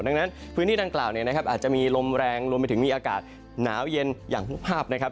ดังนั้นพื้นที่ดังกล่าวเนี่ยนะครับอาจจะมีลมแรงรวมไปถึงมีอากาศหนาวเย็นอย่างทุกภาพนะครับ